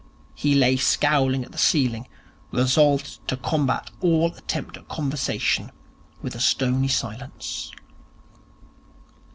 He lay scowling at the ceiling, resolved to combat all attempt at conversation with a stony silence.